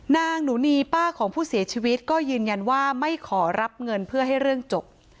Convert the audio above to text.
นางหนูนีป้าของผู้เสียชีวิตก็ยืนยันว่าไม่ขอรับเงินเพื่อให้เรื่องจบ